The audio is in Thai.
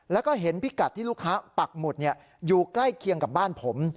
แล้วก็เห็นพิกัดที่ลูกค้าปักหมุดอยู่ใกล้เคียงกับบ้านผม